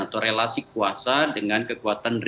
atau relasi kuasa dengan kekuatan